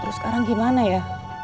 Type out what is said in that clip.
terus sekarang gimana ya